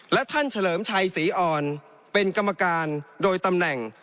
และท่านเฉลิมชัยศรีอ่อนเป็นกรรมการโดยตำแหน่ง